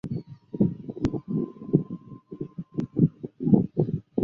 大宜昌鳞毛蕨为鳞毛蕨科鳞毛蕨属下的一个变种。